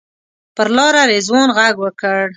پر لاره رضوان غږ وکړ.